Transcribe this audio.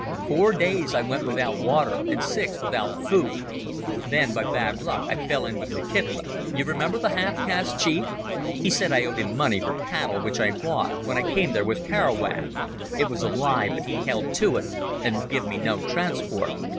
Four days I went without water, and six without food. Then by bad luck I fell in with "Nkitla—you remember, the half caste chief. He said I owed him money for cattle which I bought when I came there with Carowab. It was a lie, but he held to it, and would give me no transport.